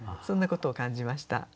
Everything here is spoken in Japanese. そんなことを感じました。